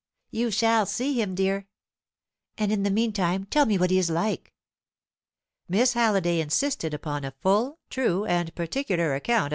"You shall see him, dear." "And in the meantime tell me what he is like." Miss Halliday insisted upon a full, true, and particular account of M.